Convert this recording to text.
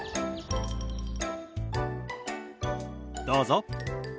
どうぞ。